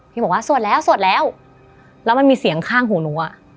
พี่บอกว่าสวดแล้วสวดแล้วแล้วมันมีเสียงข้างหูหนูอ่ะ